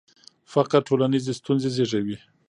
فقر ټولنیزې ستونزې زیږوي.